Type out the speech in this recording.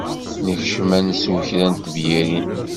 Nekcem ad d-nsew kra n tebyirin.